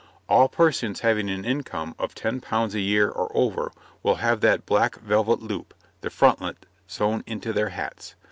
All persons having an income of £10 a year and over will have that black velvet loop, the frontlet, sewn into their hats.